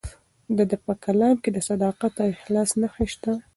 د ده په کلام کې د صداقت او اخلاص نښې شته.